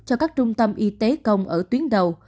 cho các trung tâm y tế công ở tuyến đầu